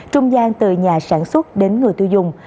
trung gian từ nhà sản xuất đến người tiêu dùng